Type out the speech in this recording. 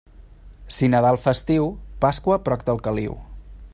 Si Nadal fa estiu, Pasqua prop del caliu.